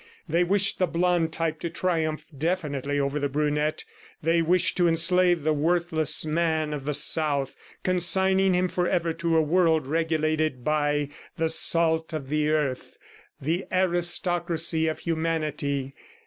They wished the blond type to triumph definitely over the brunette; they wished to enslave the worthless man of the South, consigning him forever to a world regulated by "the salt of the earth," "the aristocracy of humanity."